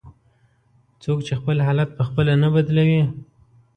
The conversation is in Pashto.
"څوک چې خپل حالت په خپله نه بدلوي".